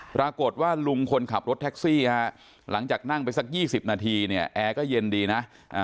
ปรากฏว่าลุงคนขับรถแท็กซี่ฮะหลังจากนั่งไปสัก๒๐นาทีเนี่ยแอร์ก็เย็นดีนะ